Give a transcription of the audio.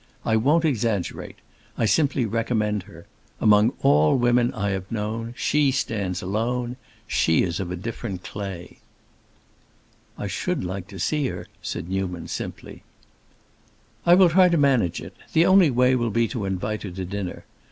I won't exaggerate. I simply recommend her. Among all women I have known she stands alone; she is of a different clay." "I should like to see her," said Newman, simply. "I will try to manage it. The only way will be to invite her to dinner.